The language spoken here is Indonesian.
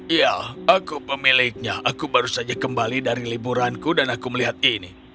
iya aku pemiliknya aku baru saja kembali dari liburanku dan aku melihat ini